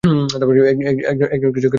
একজন কৃষকের মেয়ে, মনে হয়।